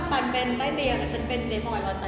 ปันเป็นใต้เดียวแต่ฉันเป็นเจฟเหาะแล้วแต่